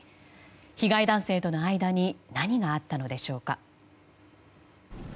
被害男性との間に何があったのでしょうか。